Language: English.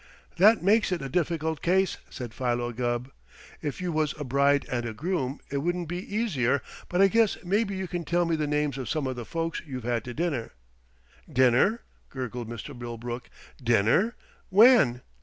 "That makes it a difficult case," said Philo Gubb. "If you was a bride and a groom it would be easier, but I guess maybe you can tell me the names of some of the folks you've had to dinner." "Dinner?" gurgled Mr. Millbrook. "Dinner? When?"